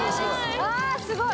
うわぁすごい。